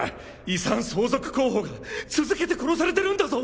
遺産相続候補が続けて殺されてるんだぞ！